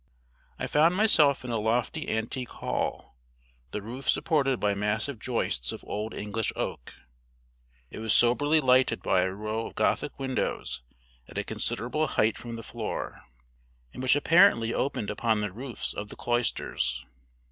I found myself in a lofty antique hall, the roof supported by massive joists of old English oak. It was soberly lighted by a row of Gothic windows at a considerable height from the floor, and which apparently opened upon the roofs of the cloisters.